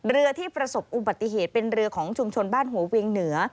เรือที่ประสบอุบัติเหตุเป็นเรือของชุมชนบ้านหัวเวียงเหนือ